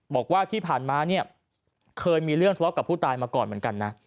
บอกว่าที่ผ่านมาเคยมีเรื่องสลบกับผู้ตายมาก่อนเหมือนกัน